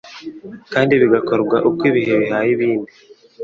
kandi bigakorwa uko ibihe bihaye ibindi.